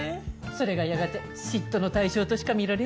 それがやがて嫉妬の対象としか見られなくなり。